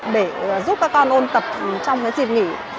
để giúp các con ôn tập trong dịp nghỉ